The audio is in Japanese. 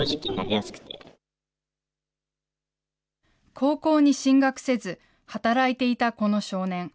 高校に進学せず、働いていたこの少年。